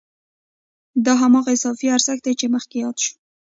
دا هماغه اضافي ارزښت دی چې مخکې یاد شو